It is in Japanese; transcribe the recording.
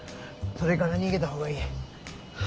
それから逃げた方がいい。